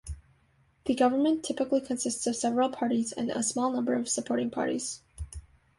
The government typically consists of several parties and a small number of supporting parties.